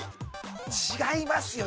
違いますよ。